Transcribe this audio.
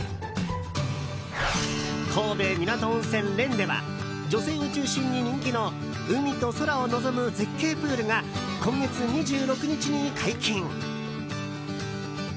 神戸みなと温泉蓮では女性を中心に人気の海と空を望む絶景プールが今月２６日に解禁。